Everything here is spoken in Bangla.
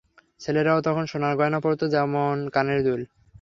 ছেলেরাও তখন সোনার গয়না পরত, যেমনঃ কানের দুল।